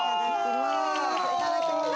いただきまーす